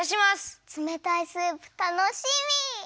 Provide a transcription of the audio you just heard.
つめたいスープたのしみ！